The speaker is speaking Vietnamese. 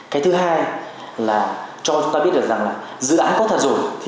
cái thứ hai là cho chúng ta biết rằng dự án có thật rồi